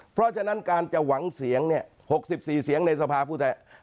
เพราะฉะนั้นการจะหวังเสียง๖๔เสียงในสภาพุทธแห่ง